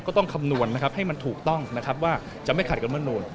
ก็ต้องคำนวณให้มันถูกต้องว่าจะไม่ขัดกับรัฐธรรมนูญ